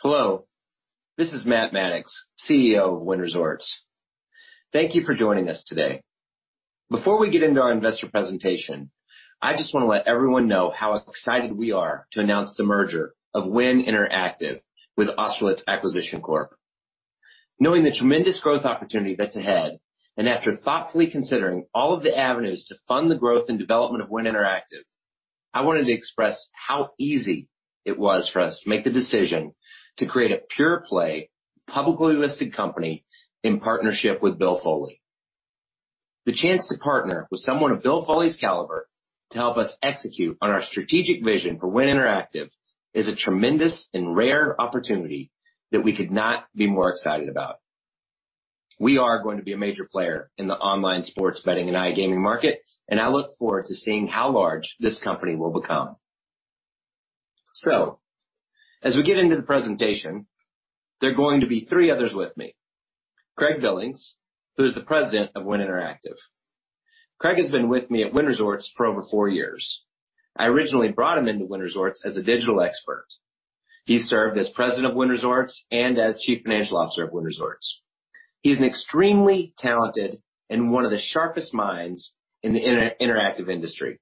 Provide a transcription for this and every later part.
Hello. This is Matt Maddox, CEO of Wynn Resorts. Thank you for joining us today. Before we get into our investor presentation, I just want to let everyone know how excited we are to announce the merger of Wynn Interactive with Austerlitz Acquisition Corporation I. Knowing the tremendous growth opportunity that's ahead, and after thoughtfully considering all of the avenues to fund the growth and development of Wynn Interactive, I wanted to express how easy it was for us to make the decision to create a pure play, publicly listed company in partnership with Bill Foley. The chance to partner with someone of Bill Foley's caliber to help us execute on our strategic vision for Wynn Interactive is a tremendous and rare opportunity that we could not be more excited about. We are going to be a major player in the online sports betting and iGaming market, and I look forward to seeing how large this company will become. As we get into the presentation, there are going to be three others with me. Craig Billings, who's the President of Wynn Interactive. Craig has been with me at Wynn Resorts for over four years. I originally brought him into Wynn Resorts as a digital expert. He served as President of Wynn Resorts and as Chief Financial Officer of Wynn Resorts. He's an extremely talented and one of the sharpest minds in the interactive industry.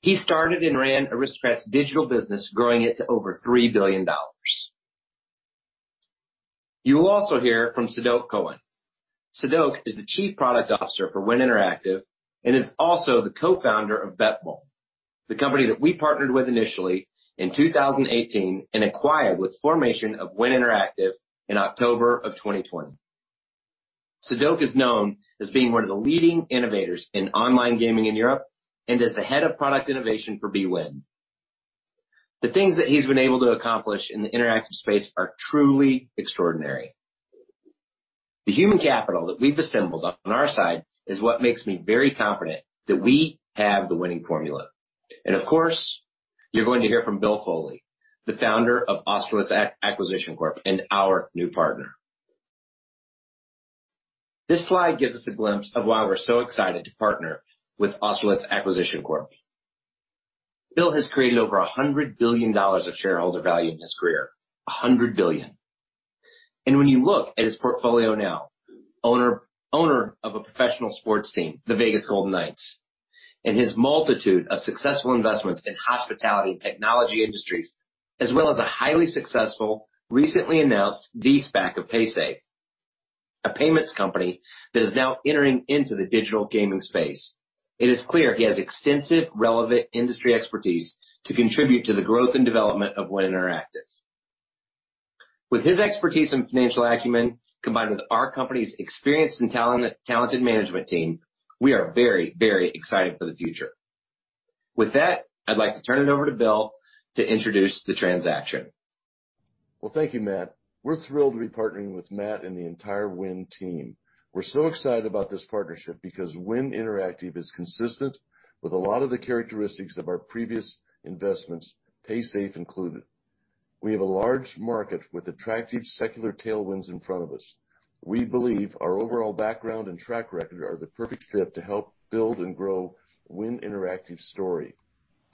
He started and ran Aristocrat's digital business, growing it to over $3 billion. You will also hear from Sadok Kohen. Sadok is the Chief Product Officer for Wynn Interactive and is also the Co-Founder of BetBull, the company that we partnered with initially in 2018 and acquired with formation of Wynn Interactive in October of 2020. Sadok is known as being one of the leading innovators in online gaming in Europe and as the head of product innovation for bwin. The things that he's been able to accomplish in the interactive space are truly extraordinary. The human capital that we've assembled on our side is what makes me very confident that we have the winning formula. Of course, you're going to hear from Bill Foley, the Founder of Austerlitz Acquisition Corp and our new partner. This slide gives us a glimpse of why we're so excited to partner with Austerlitz Acquisition Corp. Bill has created over $100 billion of shareholder value in his career, $100 billion. When you look at his portfolio now, owner of a professional sports team, the Vegas Golden Knights, and his multitude of successful investments in hospitality and technology industries, as well as a highly successful, recently announced de-SPAC of Paysafe, a payments company that is now entering into the digital gaming space. It is clear he has extensive relevant industry expertise to contribute to the growth and development of Wynn Interactive. With his expertise and financial acumen, combined with our company's experienced and talented management team, we are very, very excited for the future. With that, I'd like to turn it over to Bill to introduce the transaction. Thank you, Matt. We're thrilled to be partnering with Matt and the entire Wynn team. We're so excited about this partnership because Wynn Interactive is consistent with a lot of the characteristics of our previous investments, Paysafe included. We have a large market with attractive secular tailwinds in front of us. We believe our overall background and track record are the perfect fit to help build and grow Wynn Interactive's story.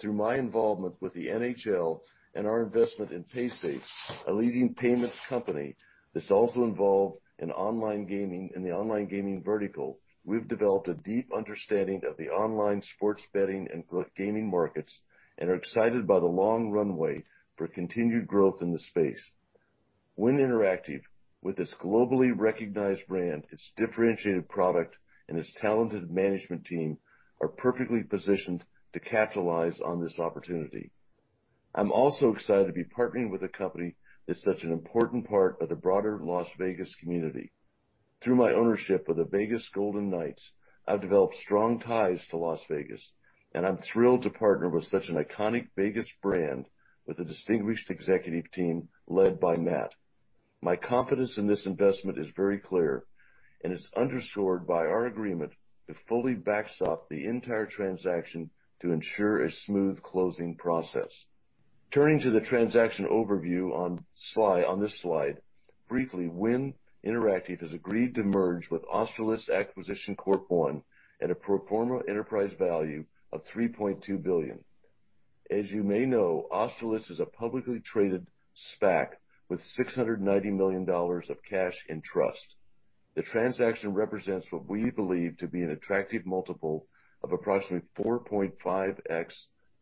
Through my involvement with the NHL and our investment in Paysafe, a leading payments company that's also involved in the online gaming vertical, we've developed a deep understanding of the online sports betting and gaming markets and are excited by the long runway for continued growth in the space. Wynn Interactive, with its globally recognized brand, its differentiated product, and its talented management team, are perfectly positioned to capitalize on this opportunity. I'm also excited to be partnering with a company that's such an important part of the broader Las Vegas community. Through my ownership of the Vegas Golden Knights, I've developed strong ties to Las Vegas, and I'm thrilled to partner with such an iconic Vegas brand with a distinguished executive team led by Matt. My confidence in this investment is very clear and is underscored by our agreement to fully backstop the entire transaction to ensure a smooth closing process. Turning to the transaction overview on this slide, briefly, Wynn Interactive has agreed to merge with Austerlitz Acquisition Corporation I at a pro forma enterprise value of $3.2 billion. As you may know, Austerlitz is a publicly traded SPAC with $690 million of cash in trust. The transaction represents what we believe to be an attractive multiple of approximately 4.5x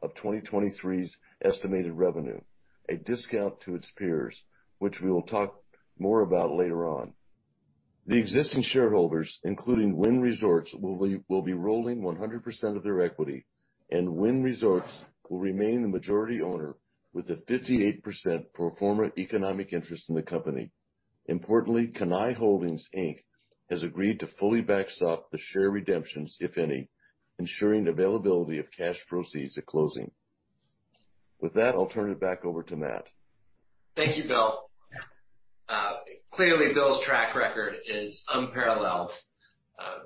of 2023's estimated revenue, a discount to its peers, which we will talk more about later on. The existing shareholders, including Wynn Resorts, will be rolling 100% of their equity, and Wynn Resorts will remain the majority owner with a 58% pro forma economic interest in the company. Importantly, Cannae Holdings, Inc. has agreed to fully backstop the share redemptions, if any, ensuring the availability of cash proceeds at closing. With that, I'll turn it back over to Matt. Thank you, Bill. Clearly, Bill's track record is unparalleled.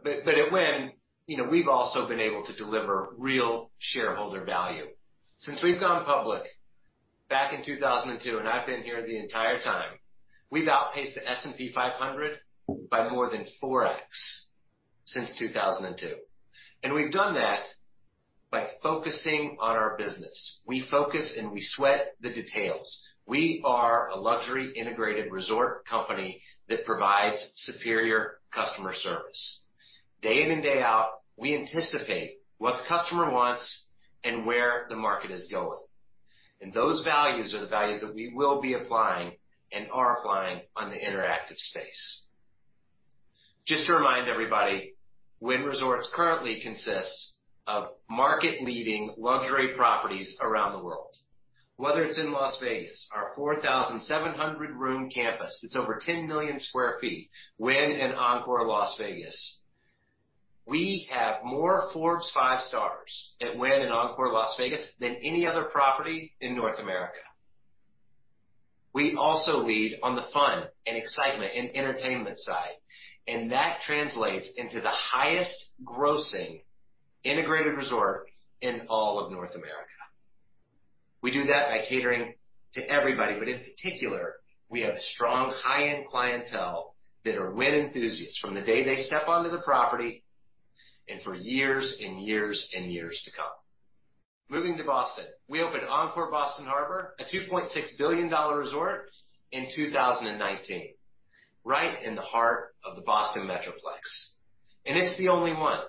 At Wynn, we've also been able to deliver real shareholder value. Since we've gone public back in 2002, and I've been here the entire time, we've outpaced the S&P 500 by more than 4x since 2002. We've done that by focusing on our business. We focus and we sweat the details. We are a luxury integrated resort company that provides superior customer service. Day in and day out, we anticipate what the customer wants and where the market is going. Those values are the values that we will be applying and are applying on the interactive space. Just to remind everybody, Wynn Resorts currently consists of market-leading luxury properties around the world. Whether it's in Las Vegas, our 4,700-room campus, it's over 10 million sq ft, Wynn and Encore Las Vegas. We have more Forbes Five Stars at Wynn and Encore Las Vegas than any other property in North America. That translates into the highest grossing integrated resort in all of North America. We do that by catering to everybody, in particular, we have a strong high-end clientele that are Wynn enthusiasts from the day they step onto the property and for years and years and years to come. Moving to Boston. We opened Encore Boston Harbor, a $2.6 billion resort, in 2019, right in the heart of the Boston Metroplex. It's the only one,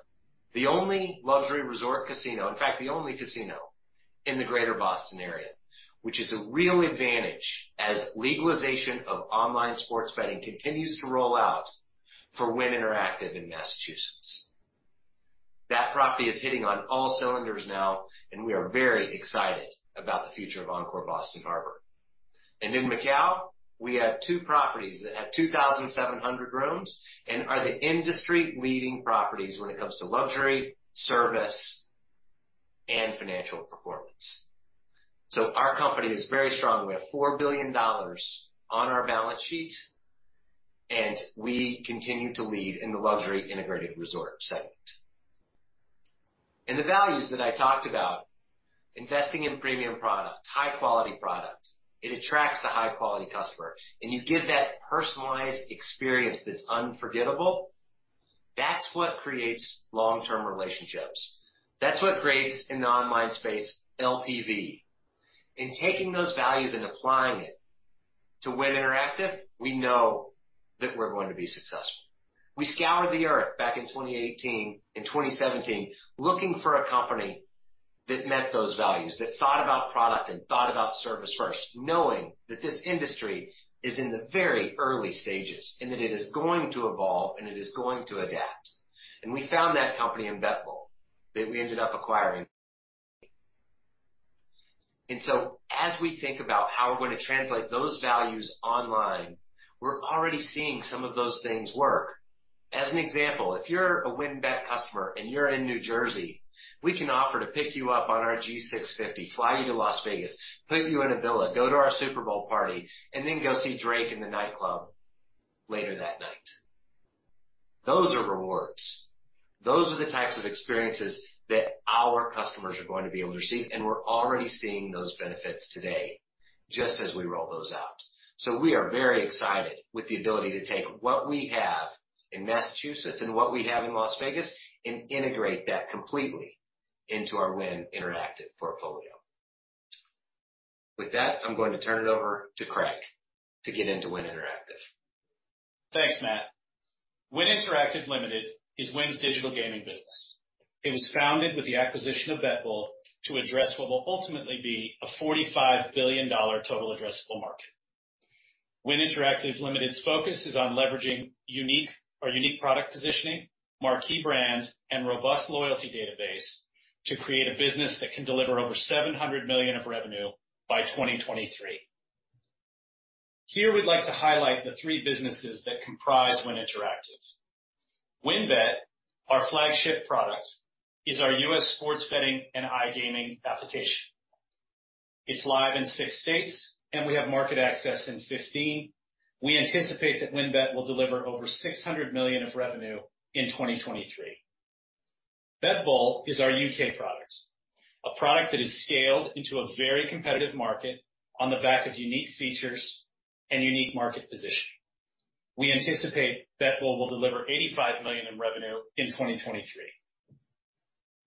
the only luxury resort casino, in fact, the only casino in the greater Boston area, which is a real advantage as legalization of online sports betting continues to roll out for Wynn Interactive in Massachusetts. That property is hitting on all cylinders now. We are very excited about the future of Encore Boston Harbor. In Macau, we have two properties that have 2,700 rooms and are the industry-leading properties when it comes to luxury, service, and financial performance. Our company is very strong. We have $4 billion on our balance sheet, and we continue to lead in the luxury integrated resort segment. The values that I talked about, investing in premium product, high-quality product, it attracts the high-quality customer, and you give that personalized experience that's unforgettable. That's what creates long-term relationships. That's what creates, in the online space, LTV. In taking those values and applying it to Wynn Interactive, we know that we're going to be successful. We scoured the Earth back in 2018 and 2017, looking for a company that met those values, that thought about product and thought about service first, knowing that this industry is in the very early stages and that it is going to evolve and it is going to adapt. We found that company in BetBull, that we ended up acquiring. As we think about how we're gonna translate those values online, we're already seeing some of those things work. As an example, if you're a WynnBET customer and you're in New Jersey, we can offer to pick you up on our G650, fly you to Las Vegas, put you in a villa, go to our Super Bowl party, and then go see Drake in the nightclub later that night. Those are rewards. Those are the types of experiences that our customers are going to be able to receive, and we're already seeing those benefits today, just as we roll those out. We are very excited with the ability to take what we have in Massachusetts and what we have in Las Vegas and integrate that completely into our Wynn Interactive portfolio. With that, I'm going to turn it over to Craig to get into Wynn Interactive. Thanks, Matt. Wynn Interactive Limited is Wynn's digital gaming business. It was founded with the acquisition of BetBull to address what will ultimately be a $45 billion total addressable market. Wynn Interactive Limited's focus is on leveraging our unique product positioning, marquee brand, and robust loyalty database to create a business that can deliver over $700 million of revenue by 2023. Here we'd like to highlight the three businesses that comprise Wynn Interactive. WynnBET, our flagship product, is our U.S. sports betting and iGaming application. It's live in six states, and we have market access in 15. We anticipate that WynnBET will deliver over $600 million of revenue in 2023. BetBull is our U.K. product, a product that is scaled into a very competitive market on the back of unique features and unique market positioning. We anticipate BetBull will deliver $85 million in revenue in 2023.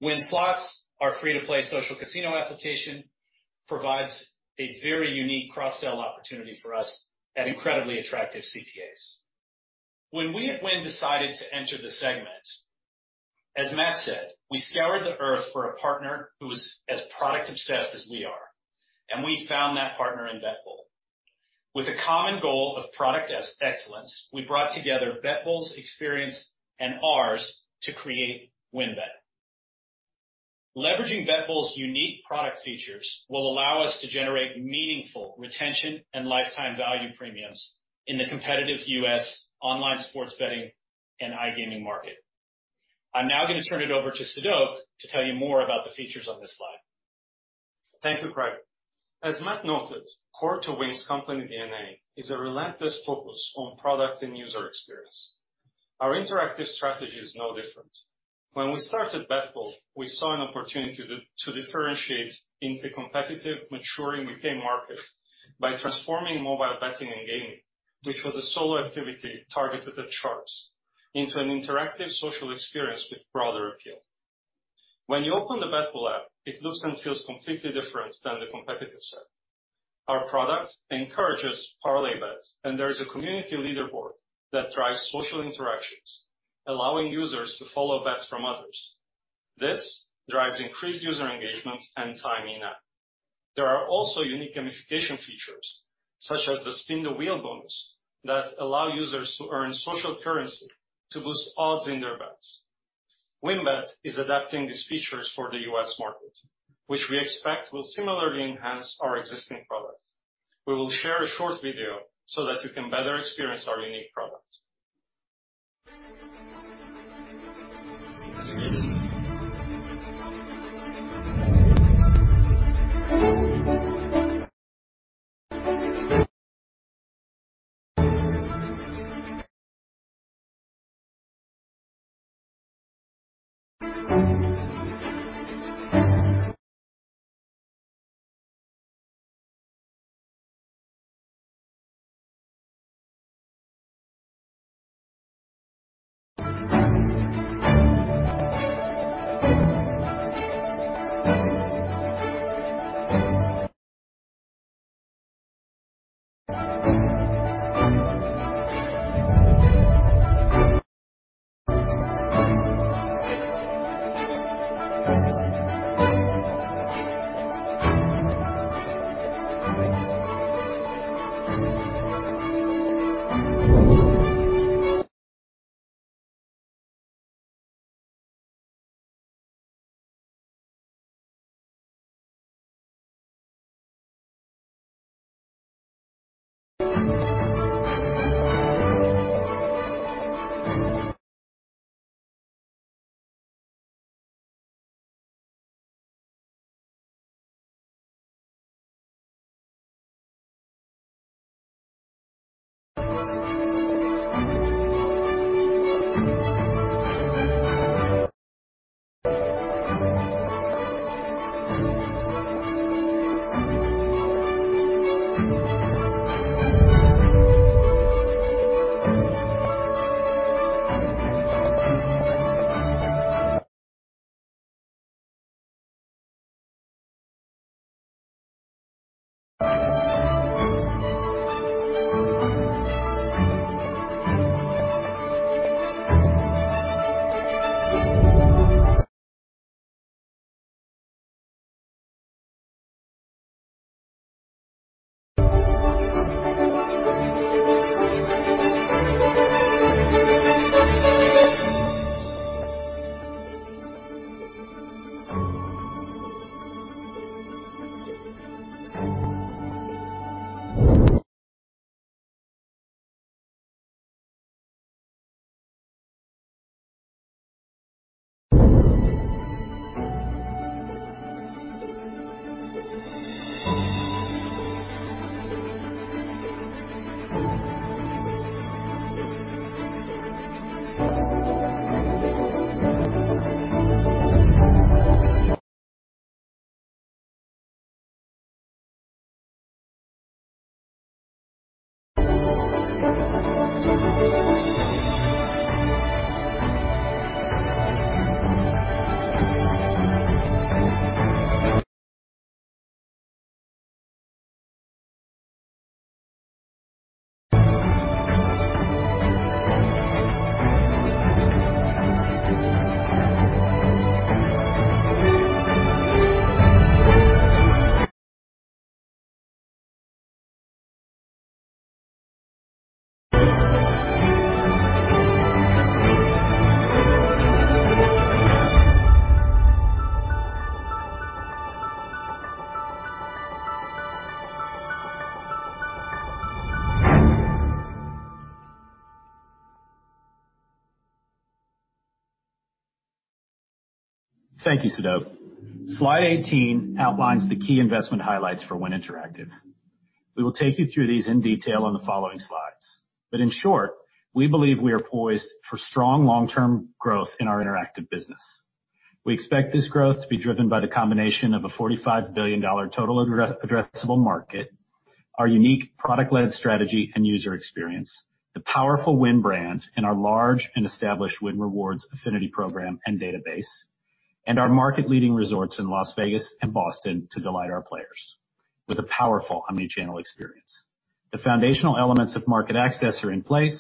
Wynn Slots, our free-to-play social casino application, provides a very unique cross-sell opportunity for us at incredibly attractive CPAs. When we at Wynn decided to enter the segment, as Matt said, we scoured the Earth for a partner who was as product-obsessed as we are, and we found that partner in BetBull. With a common goal of product excellence, we brought together BetBull's experience and ours to create WynnBET. Leveraging BetBull's unique product features will allow us to generate meaningful retention and lifetime value premiums in the competitive U.S. online sports betting and iGaming market. I'm now gonna turn it over to Sadok to tell you more about the features on this slide. Thank you, Craig. As Matt noted, core to Wynn's company DNA is a relentless focus on product and user experience. Our interactive strategy is no different. When we started BetBull, we saw an opportunity to differentiate into competitive, maturing U.K. markets by transforming mobile betting and gaming, which was a solo activity targeted at sharps, into an interactive social experience with broader appeal. When you open the BetBull app, it looks and feels completely different than the competitive set. Our product encourages parlay bets, and there is a community leaderboard that drives social interactions, allowing users to follow bets from others. This drives increased user engagement and time in-app. There are also unique gamification features, such as the spin the wheel bonus, that allow users to earn social currency to boost odds in their bets. WynnBET is adapting these features for the U.S. market, which we expect will similarly enhance our existing product. We will share a short video so that you can better experience our unique product. Thank you, Sadok. Slide 18 outlines the key investment highlights for Wynn Interactive. In short, we believe we are poised for strong long-term growth in our interactive business. We expect this growth to be driven by the combination of a $45 billion total addressable market, our unique product-led strategy and user experience, the powerful Wynn brand, and our large and established Wynn Rewards affinity program and database, and our market-leading resorts in Las Vegas and Boston to delight our players with a powerful omnichannel experience. The foundational elements of market access are in place.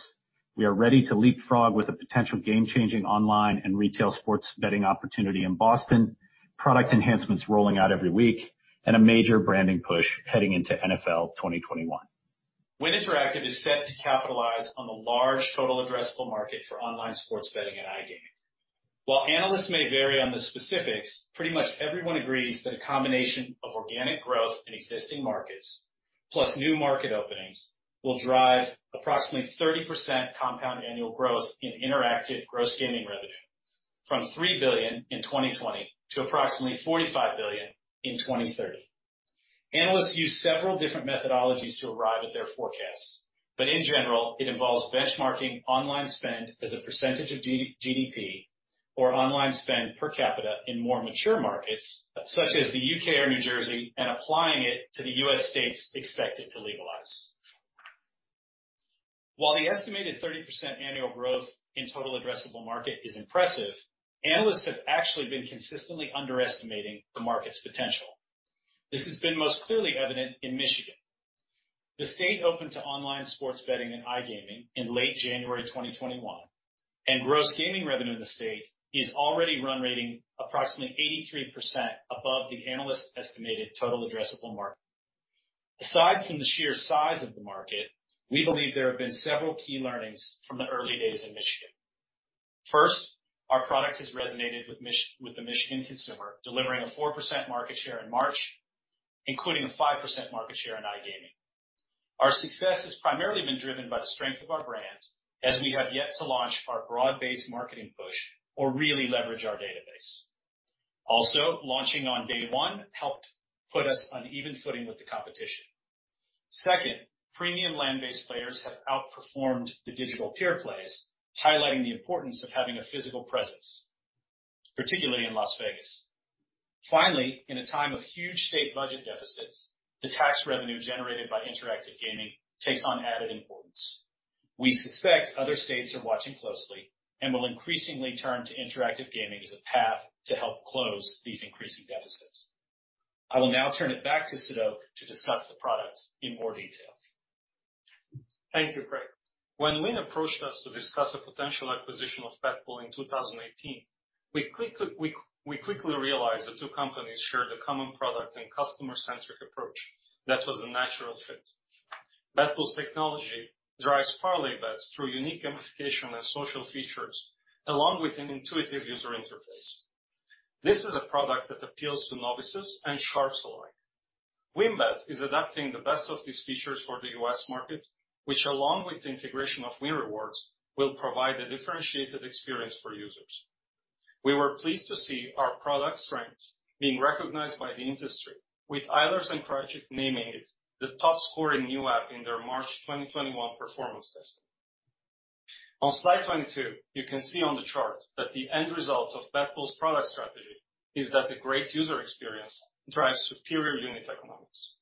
We are ready to leapfrog with a potential game-changing online and retail sports betting opportunity in Boston, product enhancements rolling out every week, and a major branding push heading into NFL 2021. Wynn Interactive is set to capitalize on the large total addressable market for online sports betting and iGaming. While analysts may vary on the specifics, pretty much everyone agrees that a combination of organic growth in existing markets, plus new market openings, will drive approximately 30% compound annual growth in interactive gross gaming revenue from $3 billion in 2020 to approximately $45 billion in 2030. Analysts use several different methodologies to arrive at their forecasts, but in general, it involves benchmarking online spend as a percentage of GDP or online spend per capita in more mature markets, such as the U.K. or New Jersey, and applying it to the U.S. states expected to legalize. While the estimated 30% annual growth in total addressable market is impressive, analysts have actually been consistently underestimating the market's potential. This has been most clearly evident in Michigan. The state opened to online sports betting and iGaming in late January 2021, and gross gaming revenue in the state is already run rating approximately 83% above the analyst's estimated total addressable market. Aside from the sheer size of the market, we believe there have been several key learnings from the early days in Michigan. First, our product has resonated with the Michigan consumer, delivering a 4% market share in March, including a 5% market share in iGaming. Our success has primarily been driven by the strength of our brand as we have yet to launch our broad-based marketing push or really leverage our database. Launching on day one helped put us on even footing with the competition. Second, premium land-based players have outperformed the digital pure plays, highlighting the importance of having a physical presence, particularly in Las Vegas. Finally, in a time of huge state budget deficits, the tax revenue generated by interactive gaming takes on added importance. We suspect other states are watching closely and will increasingly turn to interactive gaming as a path to help close these increasing deficits. I will now turn it back to Sadok to discuss the products in more detail. Thank you, Craig. When Wynn approached us to discuss a potential acquisition of BetBull in 2018, we quickly realized the two companies shared a common product and customer-centric approach that was a natural fit. BetBull's technology drives parlay bets through unique gamification and social features, along with an intuitive user interface. This is a product that appeals to novices and sharps alike. WynnBET is adapting the best of these features for the U.S. market, which along with the integration of Wynn Rewards, will provide a differentiated experience for users. We were pleased to see our product strengths being recognized by the industry with Eilers & Krejcik naming it the top-scoring new app in their March 2021 performance testing. On slide 22, you can see on the chart that the end result of BetBull's product strategy is that the great user experience drives superior unit economics.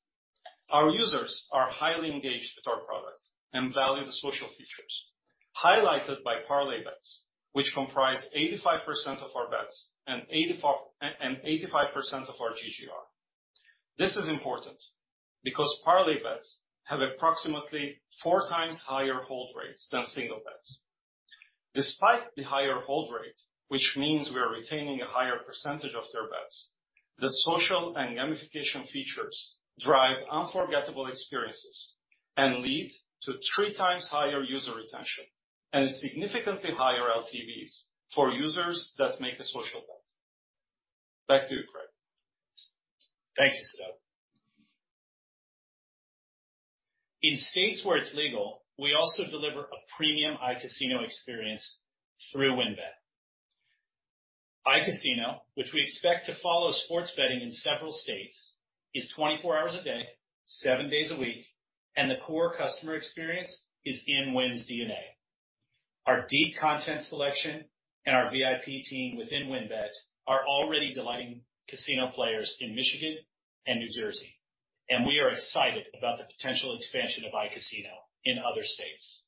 Our users are highly engaged with our product and value the social features highlighted by parlay bets, which comprise 85% of our bets and 85% of our GGR. This is important because parlay bets have approximately 4x higher hold rates than single bets. Despite the higher hold rate, which means we are retaining a higher percentage of their bets, the social and gamification features drive unforgettable experiences and lead to 3x higher user retention and significantly higher LTVs for users that make a social bet. Back to you, Craig. Thank you, Sadok. In states where it's legal, we also deliver a premium iCasino experience through WynnBET. iCasino, which we expect to follow sports betting in several states, is 24 hours a day, seven days a week, and the core customer experience is in Wynn's DNA. Our deep content selection and our VIP team within WynnBET are already delighting casino players in Michigan and New Jersey, and we are excited about the potential expansion of iCasino in other states.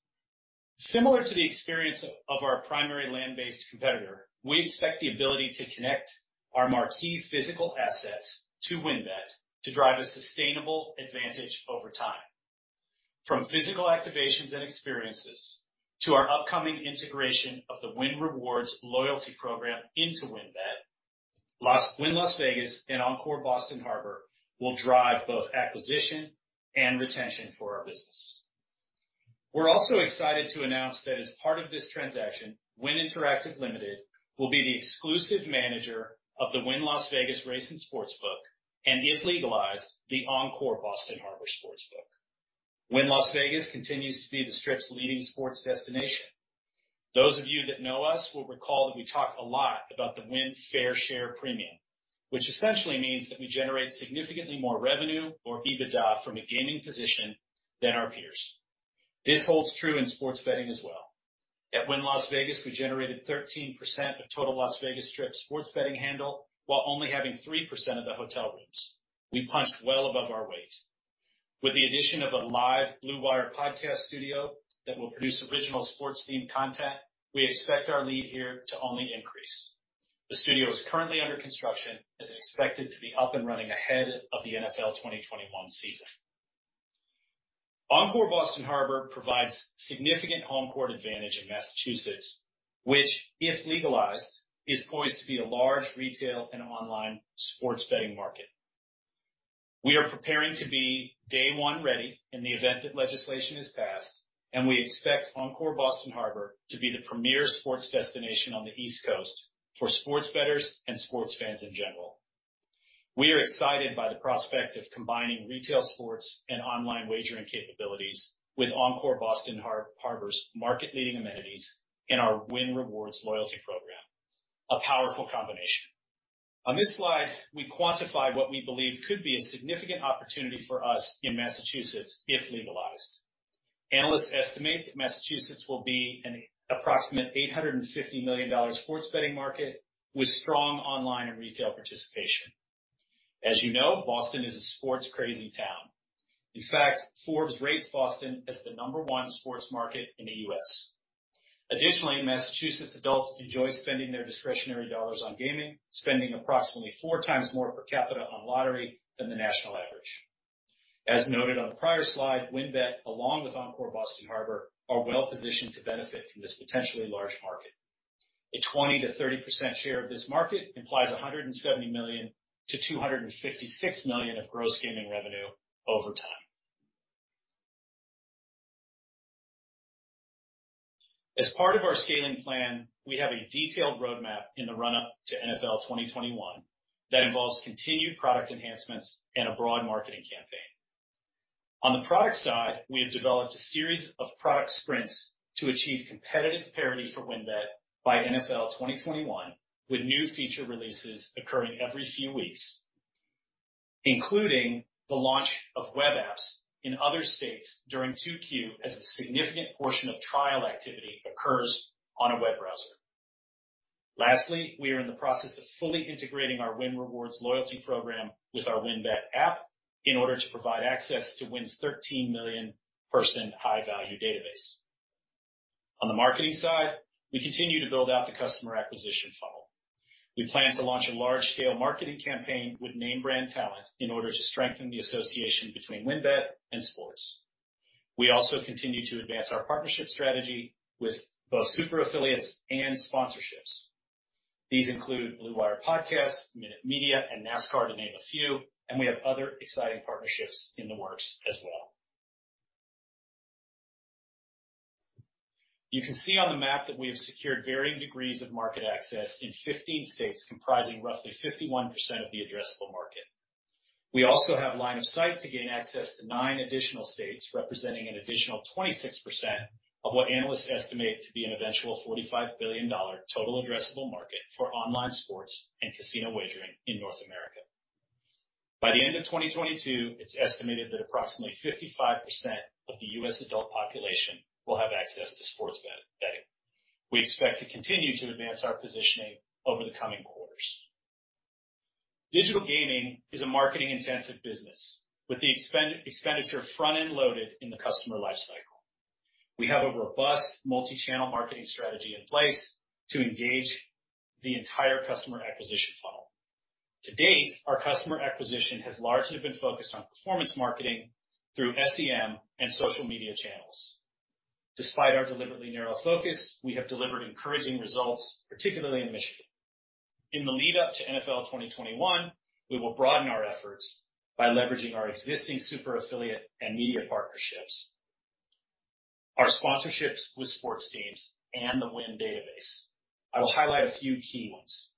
Similar to the experience of our primary land-based competitor, we expect the ability to connect our marquee physical assets to WynnBET to drive a sustainable advantage over time. From physical activations and experiences, to our upcoming integration of the Wynn Rewards loyalty program into WynnBET, Wynn Las Vegas and Encore Boston Harbor will drive both acquisition and retention for our business. We're also excited to announce that as part of this transaction, Wynn Interactive Limited will be the exclusive manager of the Wynn Las Vegas Race and Sports Book, and if legalized, the Encore Boston Harbor Sports Book. Wynn Las Vegas continues to be the Strip's leading sports destination. Those of you that know us will recall that we talk a lot about the Wynn fair share premium, which essentially means that we generate significantly more revenue or EBITDA from a gaming position than our peers. This holds true in sports betting as well. At Wynn Las Vegas, we generated 13% of total Las Vegas Strip sports betting handle while only having 3% of the hotel rooms. We punch well above our weight. With the addition of a live Blue Wire podcast studio that will produce original sports-themed content, we expect our lead here to only increase. The studio is currently under construction and is expected to be up and running ahead of the NFL 2021 season. Encore Boston Harbor provides significant home court advantage in Massachusetts, which, if legalized, is poised to be a large retail and online sports betting market. We are preparing to be day one ready in the event that legislation is passed, and we expect Encore Boston Harbor to be the premier sports destination on the East Coast for sports bettors and sports fans in general. We are excited by the prospect of combining retail sports and online wagering capabilities with Encore Boston Harbor's market-leading amenities and our Wynn Rewards loyalty program. A powerful combination. On this slide, we quantify what we believe could be a significant opportunity for us in Massachusetts if legalized. Analysts estimate that Massachusetts will be an approximate $850 million sports betting market with strong online and retail participation. As you know, Boston is a sports-crazy town. In fact, Forbes rates Boston as the number one sports market in the U.S. Additionally, Massachusetts adults enjoy spending their discretionary dollars on gaming, spending approximately 4x more per capita on lottery than the national average. As noted on the prior slide, WynnBET, along with Encore Boston Harbor, are well-positioned to benefit from this potentially large market. A 20%-30% share of this market implies $170 million-$256 million of gross gaming revenue over time. As part of our scaling plan, we have a detailed roadmap in the run-up to NFL 2021 that involves continued product enhancements and a broad marketing campaign. On the product side, we have developed a series of product sprints to achieve competitive parity for WynnBET by NFL 2021, with new feature releases occurring every few weeks, including the launch of web apps in other states during 2Q, as a significant portion of trial activity occurs on a web browser. Lastly, we are in the process of fully integrating our Wynn Rewards loyalty program with our WynnBET app in order to provide access to Wynn's 13-million-person high-value database. On the marketing side, we continue to build out the customer acquisition funnel. We plan to launch a large-scale marketing campaign with name brand talent in order to strengthen the association between WynnBET and sports. We also continue to advance our partnership strategy with both super affiliates and sponsorships. These include Blue Wire Podcasts, Minute Media, and NASCAR to name a few. We have other exciting partnerships in the works as well. You can see on the map that we have secured varying degrees of market access in 15 states, comprising roughly 51% of the addressable market. We also have line of sight to gain access to nine additional states, representing an additional 26% of what analysts estimate to be an eventual $45 billion total addressable market for online sports and casino wagering in North America. By the end of 2022, it's estimated that approximately 55% of the U.S. adult population will have access to sports betting. We expect to continue to advance our positioning over the coming quarters. Digital gaming is a marketing-intensive business with the expenditure front-end loaded in the customer life cycle. We have a robust multi-channel marketing strategy in place to engage the entire customer acquisition funnel. To date, our customer acquisition has largely been focused on performance marketing through SEM and social media channels. Despite our deliberately narrow focus, we have delivered encouraging results, particularly in Michigan. In the lead up to NFL 2021, we will broaden our efforts by leveraging our existing super affiliate and media partnerships, our sponsorships with sports teams, and the Wynn database. I will highlight a few key ones.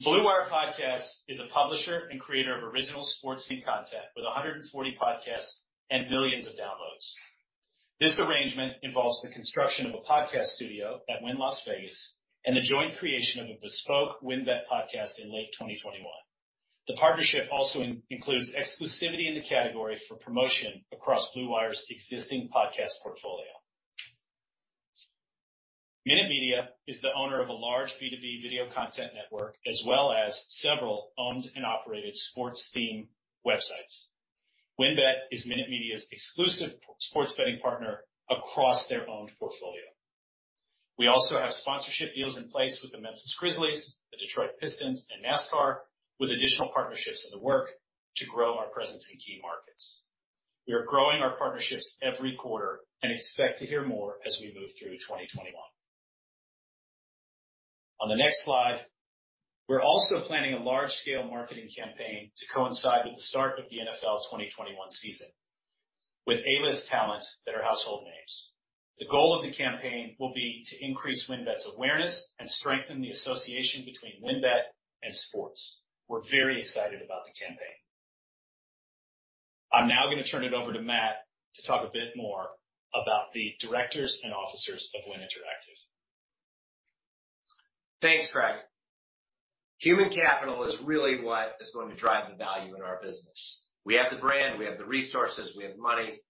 Blue Wire Podcasts is a publisher and creator of original sports and content with 140 podcasts and millions of downloads. This arrangement involves the construction of a podcast studio at Wynn Las Vegas and the joint creation of a bespoke WynnBET podcast in late 2021. The partnership also includes exclusivity in the category for promotion across Blue Wire's existing podcast portfolio. Minute Media is the owner of a large B2B video content network, as well as several owned and operated sports-themed websites. WynnBET is Minute Media's exclusive sports betting partner across their owned portfolio. We also have sponsorship deals in place with the Memphis Grizzlies, the Detroit Pistons, and NASCAR, with additional partnerships in the work to grow our presence in key markets. We are growing our partnerships every quarter and expect to hear more as we move through 2021. On the next slide, we're also planning a large-scale marketing campaign to coincide with the start of the NFL 2021 season with A-list talents that are household names. The goal of the campaign will be to increase WynnBET's awareness and strengthen the association between WynnBET and sports. We're very excited about the campaign. I'm now going to turn it over to Matt to talk a bit more about the directors and officers of Wynn Interactive. Thanks, Craig. Human capital is really what is going to drive the value in our business. We have the brand, we have the resources, we have money.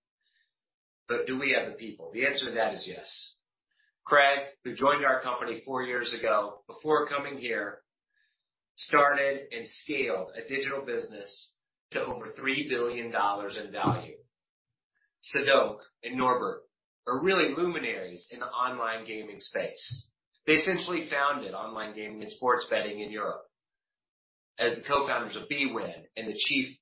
Do we have the people? The answer to that is yes. Craig, who joined our company four years ago, before coming here, started and scaled a digital business to over $3 billion in value. Sadok and Norbert are really luminaries in the online gaming space. They essentially founded online gaming and sports betting in Europe as the co-founders of bwin and the chief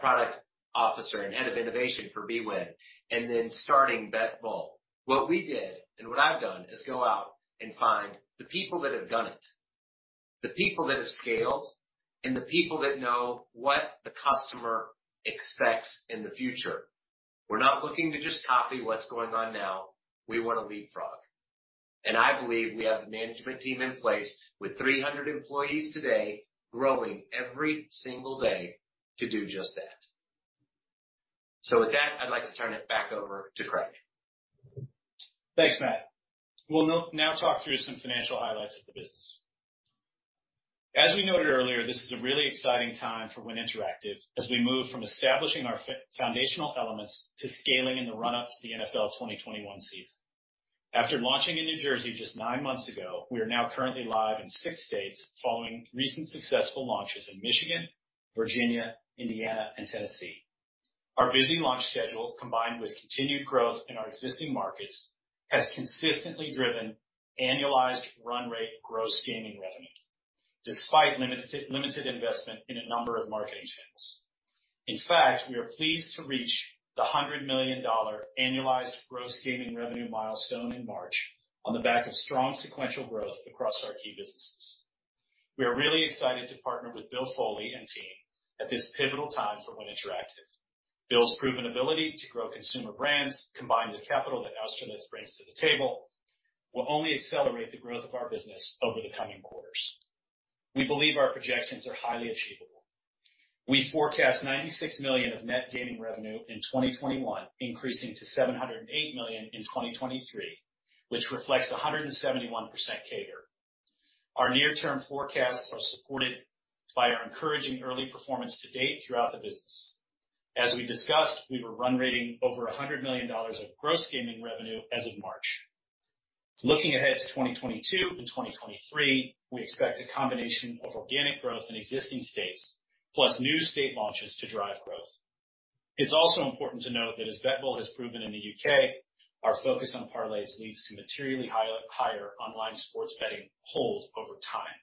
product officer and head of innovation for bwin, and then starting BetBull. What we did and what I've done is go out and find the people that have done it, the people that have scaled, and the people that know what the customer expects in the future. We're not looking to just copy what's going on now. We want to leapfrog, and I believe we have the management team in place with 300 employees today, growing every single day to do just that. With that, I'd like to turn it back over to Craig. Thanks, Matt. We'll now talk through some financial highlights of the business. As we noted earlier, this is a really exciting time for Wynn Interactive as we move from establishing our foundational elements to scaling in the run-up to the NFL 2021 season. After launching in New Jersey just nine months ago, we are now currently live in six states following recent successful launches in Michigan, Virginia, Indiana and Tennessee. Our busy launch schedule, combined with continued growth in our existing markets, has consistently driven annualized run rate gross gaming revenue, despite limited investment in a number of marketing channels. In fact, we are pleased to reach the $100 million annualized gross gaming revenue milestone in March on the back of strong sequential growth across our key businesses. We are really excited to partner with Bill Foley and team at this pivotal time for Wynn Interactive. Bill's proven ability to grow consumer brands, combined with capital that Austerlitz brings to the table, will only accelerate the growth of our business over the coming quarters. We believe our projections are highly achievable. We forecast $96 million of net gaming revenue in 2021, increasing to $708 million in 2023, which reflects 171% CAGR. Our near-term forecasts are supported by our encouraging early performance to date throughout the business. As we discussed, we were run rating over $100 million of gross gaming revenue as of March. Looking ahead to 2022 and 2023, we expect a combination of organic growth in existing states plus new state launches to drive growth. It's also important to note that as BetBull has proven in the U.K., our focus on parlays leads to materially higher online sports betting hold over time.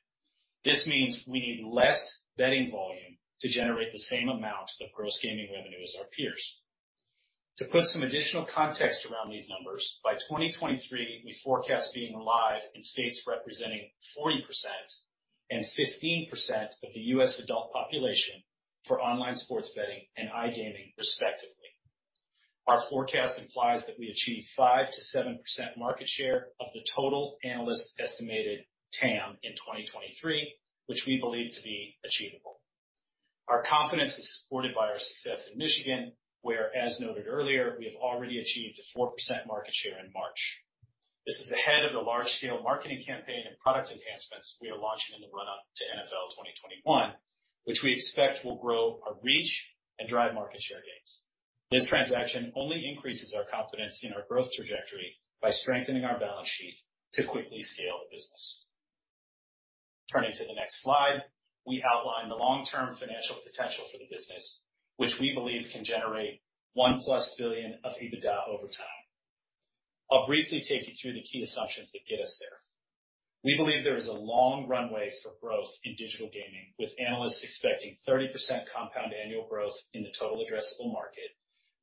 This means we need less betting volume to generate the same amount of gross gaming revenue as our peers. To put some additional context around these numbers, by 2023, we forecast being live in states representing 40% and 15% of the U.S. adult population for online sports betting and iGaming, respectively. Our forecast implies that we achieve 5%-7% market share of the total analyst estimated TAM in 2023, which we believe to be achievable. Our confidence is supported by our success in Michigan, where, as noted earlier, we have already achieved a 4% market share in March. This is ahead of the large-scale marketing campaign and product enhancements we are launching in the run-up to NFL 2021, which we expect will grow our reach and drive market share gains. This transaction only increases our confidence in our growth trajectory by strengthening our balance sheet to quickly scale the business. Turning to the next slide, we outline the long-term financial potential for the business, which we believe can generate $1+ billion of EBITDA over time. I'll briefly take you through the key assumptions that get us there. We believe there is a long runway for growth in digital gaming, with analysts expecting 30% compound annual growth in the total addressable market,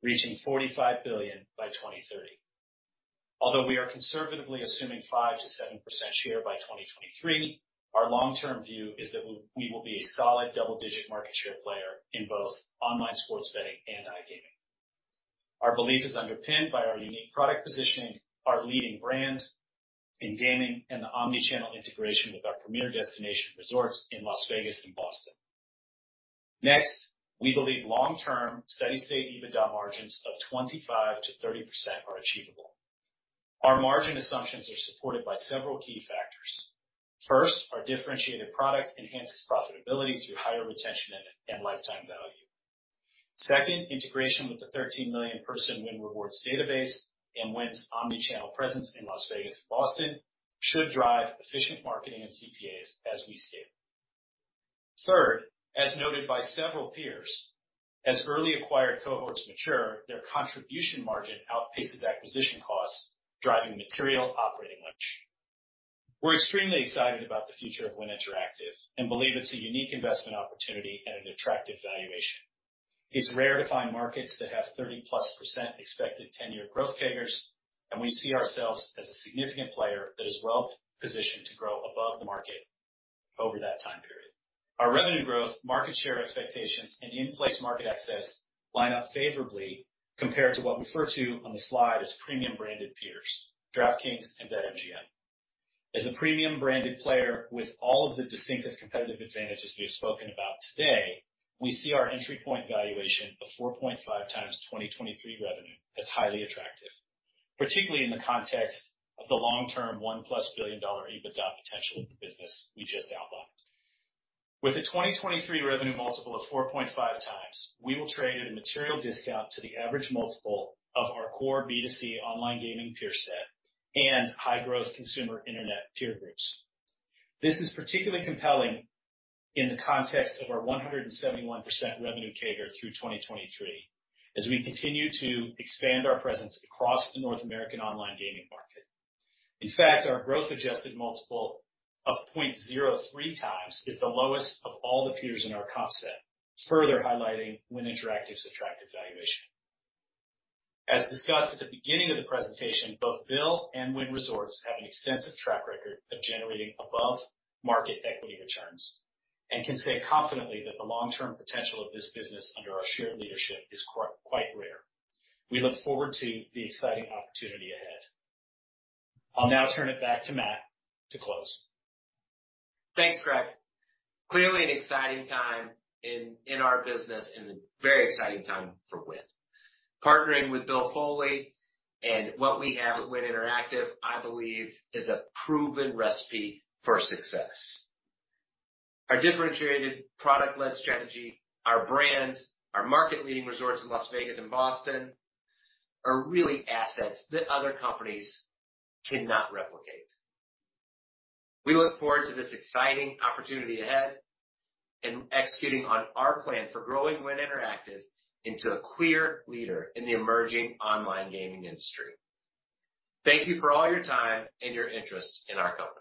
reaching $45 billion by 2030. Although we are conservatively assuming 5%-7% share by 2023, our long-term view is that we will be a solid double-digit market share player in both online sports betting and iGaming. Our belief is underpinned by our unique product positioning, our leading brand in gaming, and the omni-channel integration with our premier destination resorts in Las Vegas and Boston. Next, we believe long-term steady state EBITDA margins of 25%-30% are achievable. Our margin assumptions are supported by several key factors. First, our differentiated product enhances profitability through higher retention and lifetime value. Second, integration with the 13 million-person Wynn Rewards database and Wynn's omni-channel presence in Las Vegas and Boston should drive efficient marketing and CPAs as we scale. Third, as noted by several peers, as early acquired cohorts mature, their contribution margin outpaces acquisition costs, driving material operating leverage. We're extremely excited about the future of Wynn Interactive and believe it's a unique investment opportunity at an attractive valuation. It's rare to find markets that have 30%+ expected 10-year growth CAGRs, and we see ourselves as a significant player that is well-positioned to grow above the market over that time period. Our revenue growth, market share expectations, and in-place market access line up favorably compared to what we refer to on the slide as premium-branded peers, DraftKings and BetMGM. As a premium-branded player with all of the distinctive competitive advantages we have spoken about today, we see our entry point valuation of 4.5x 2023 revenue as highly attractive, particularly in the context of the long-term, $1+ billion EBITDA potential of the business we just outlined. With a 2023 revenue multiple of 4.5x, we will trade at a material discount to the average multiple of our core B2C online gaming peer set and high-growth consumer internet peer groups. This is particularly compelling in the context of our 171% revenue CAGR through 2023 as we continue to expand our presence across the North American online gaming market. In fact, our growth-adjusted multiple of 0.03x is the lowest of all the peers in our comp set, further highlighting Wynn Interactive's attractive valuation. As discussed at the beginning of the presentation, both Bill and Wynn Resorts have an extensive track record of generating above-market equity returns and can say confidently that the long-term potential of this business under our shared leadership is quite rare. We look forward to the exciting opportunity ahead. I'll now turn it back to Matt to close. Thanks, Craig. Clearly an exciting time in our business and a very exciting time for Wynn. Partnering with Bill Foley and what we have at Wynn Interactive, I believe, is a proven recipe for success. Our differentiated product-led strategy, our brand, our market-leading resorts in Las Vegas and Boston are really assets that other companies cannot replicate. We look forward to this exciting opportunity ahead and executing on our plan for growing Wynn Interactive into a clear leader in the emerging online gaming industry. Thank you for all your time and your interest in our company.